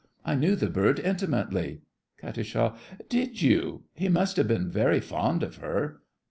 I knew the bird intimately. KAT. Did you? He must have been very fond of her.